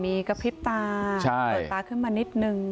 มีกระพริบตาเปิดตาขึ้นมานิดนึง